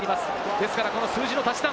ですから数字の足し算。